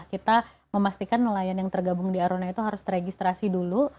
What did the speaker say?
kita memastikan nelayan yang tergabung di aruna itu harus teregistrasi dulu